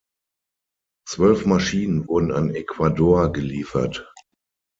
Zwölf Maschinen wurden an Ecuador geliefert.